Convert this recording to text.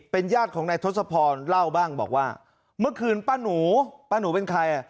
เป็นญาติของนายทศพรเล่าบ้างบอกว่าเมื่อคืนป้าหนูป้าหนูเป็นใครอ่ะ